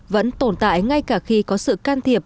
vẫn tồn tại ngay cả khi có sự can thiệp